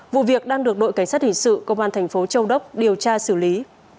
vụ việc đang được đội cảnh sát hình sự công an thành phố châu đốc điều tra xử lý